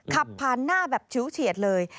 ขับผ่านหน้าแบบชิวเฉียดเลย